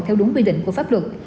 theo đúng quy định của pháp luật